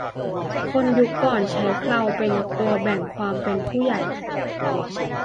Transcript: คนยุคก่อนใช้เคราเป็นตัวแบ่งความเป็นผู้ใหญ่